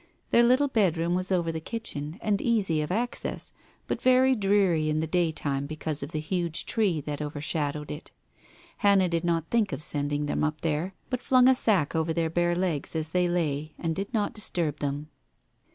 Their little bedroom was over the kitchen, and easy of access, but very dreary in the day time because of the huge tree that overshadowed it. Hannah did not think of sending them up there, but flung a sack over their bare legs as they lay, and did not disturb them.